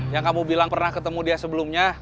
yang kamu bilang pernah ketemu dia sebelumnya